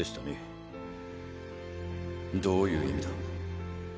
どういう意味だ？